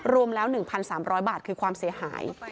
รวมแล้ว๑๓๐๐บาทคือความเสียหาย